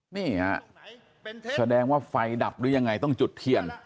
นี่ฮะแสดงว่าไฟดับหรือยังไงต้องจุดเทียน